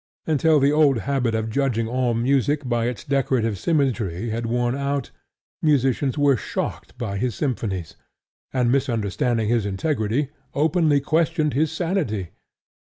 Until the old habit of judging all music by its decorative symmetry had worn out, musicians were shocked by his symphonies, and, misunderstanding his integrity, openly questioned his sanity.